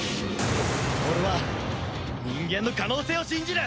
俺は人間の可能性を信じる！